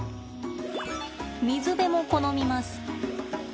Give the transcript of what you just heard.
水辺も好みます。